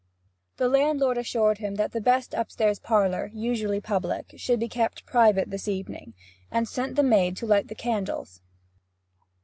The landlord assured him that the best upstairs parlour usually public should be kept private this evening, and sent the maid to light the candles.